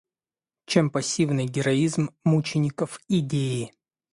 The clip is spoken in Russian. чем пассивный героизм мучеников идеи.